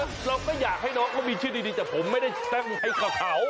คือเราก็อยากให้น้องเขามีชื่อดีแต่ผมไม่ได้ตั้งให้เขาเขา